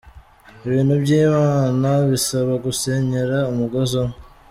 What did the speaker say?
Ibintu by’Imana bisaba gusenyera umugozi umwe.